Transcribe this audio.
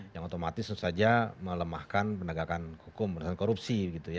yang otomatis itu saja melemahkan penegakan hukum pemberantasan korupsi